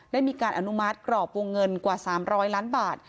ได้มีการอนุมัติกรอบวงเงินกว่า๓๐๐ล้านบาท